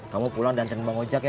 kamu pulang dan nantain bang ojak ya